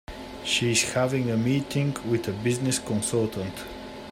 She is having a meeting with a business consultant.